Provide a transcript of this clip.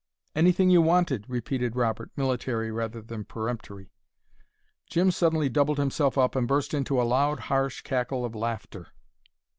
"Anything you wanted?" repeated Robert, military, rather peremptory. Jim suddenly doubled himself up and burst into a loud harsh cackle of laughter.